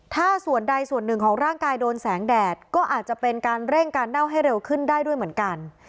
ถ้าส่วนใดส่วนหนึ่งของร่างกายโดนแสงแดดก็อาจจะเป็นการเร่งการเน่าให้เร็วขึ้นได้ด้วยเหมือนกัน